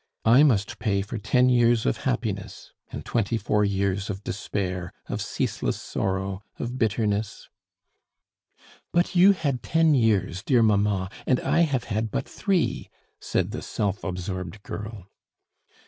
I must pay for ten years of happiness and twenty four years of despair, of ceaseless sorrow, of bitterness " "But you had ten years, dear mamma, and I have had but three!" said the self absorbed girl.